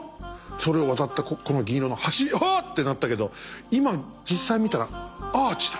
「それを渡ったこの銀色の橋」「ハッ！」ってなったけど今実際見たらアーチだ。